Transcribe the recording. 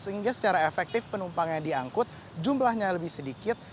sehingga secara efektif penumpang yang diangkut jumlahnya lebih sedikit